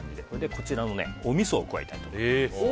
こちらのおみそを加えたいと思います。